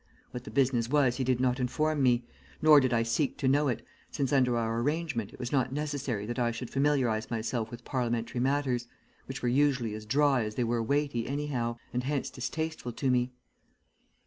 What the business was he did not inform me, nor did I seek to know it, since under our arrangement it was not necessary that I should familiarize myself with parliamentary matters, which were usually as dry as they were weighty anyhow, and hence distasteful to me.